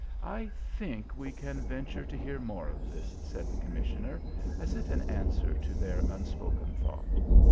"I think we can venture to hear more of this," said the commissioner, as if in answer to their unspoken thought.